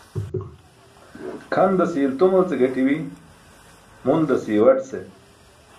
Kʰandase i̇ltumal ce gaṭi̇bi̇, mundasi̇ iwaṭ ce.